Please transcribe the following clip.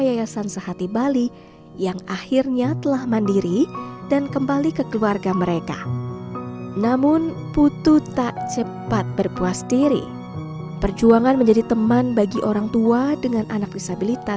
yayasan sehati bali yang akhirnya telah mandiri dan kembali ke keluarga mereka namun putu tak cepat berpuas diri perjuangan menjadi teman umat dan pemberanian setelah menapisnya kembali ke rumah mereka